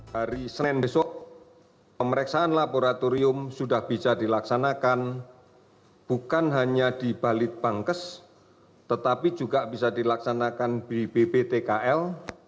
hari senin besok pemeriksaan laboratorium sudah bisa dilaksanakan bukan hanya di balit bangkes tetapi juga bisa dilaksanakan di bptkl